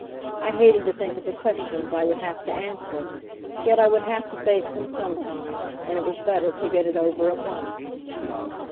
I hated to think of the questions I would have to answer; yet I would have to face them sometime, and it was better to get it over at once.